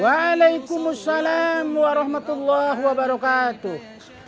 waalaikumussalam warahmatullah wabarakatuh